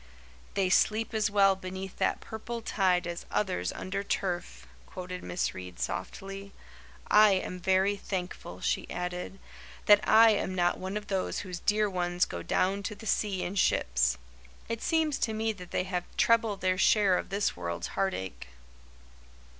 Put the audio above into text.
"'They sleep as well beneath that purple tide As others under turf,'" quoted Miss Reade softly. "I am very thankful," she added, "that I am not one of those whose dear ones 'go down to the sea in ships.' It seems to me that they have treble their share of this world's heartache."